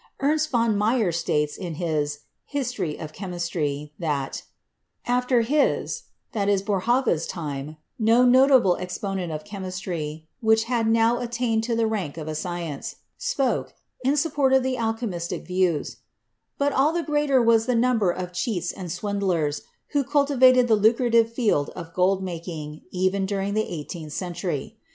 Ernst von Meyer states in his "History of Chemistry" that "after his (Boerhaave's) time no notable exponent of chemistry — which had now attained to the rank of a science — spoke" in support of the al chemistic views, "but all the greater was the number of cheats and swindlers who cultivated the lucrative field of gold making even during the eighteenth century.